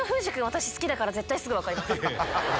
私好きだから絶対すぐ分かります。